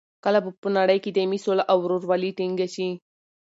کله به په نړۍ کې دایمي سوله او رورولي ټینګه شي؟